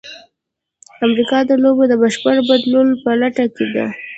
امریکا د لوبې د بشپړ بدلولو په لټه کې ده.